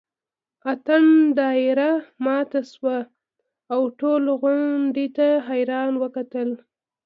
اتڼ دایره ماته شوه او ټولو غونډۍ ته حیران وکتل.